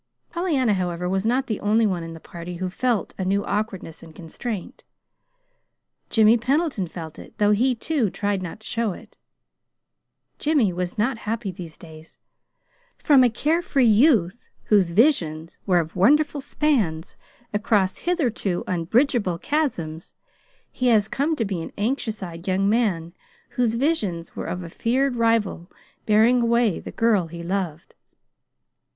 Pollyanna, however, was not the only one in the party who felt a new awkwardness and constraint. Jimmy Pendleton felt it, though he, too, tried not to show it. Jimmy was not happy these days. From a care free youth whose visions were of wonderful spans across hitherto unbridgeable chasms, he has come to be an anxious eyed young man whose visions were of a feared rival bearing away the girl he loved.